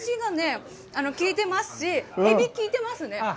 とてもだしがね、効いてますし、エビ、効いてますね。